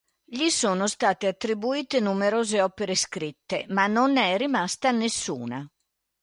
Gli sono state attribuite numerose opere scritte, ma non ne è rimasta nessuna.